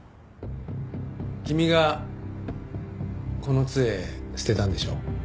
君がこの杖捨てたんでしょ？